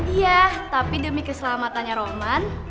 iya tapi demi keselamatannya rohman